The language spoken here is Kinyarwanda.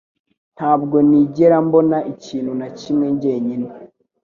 Ntabwo nigera mbona ikintu na kimwe njyenyine